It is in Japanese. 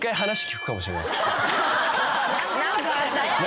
何かあったか。